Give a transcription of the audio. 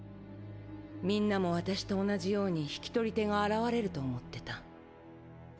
みんなも私と同じように引き取り手が現れると思ってた。